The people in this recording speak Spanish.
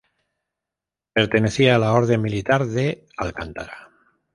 Pertenecía a la Orden militar de Alcántara.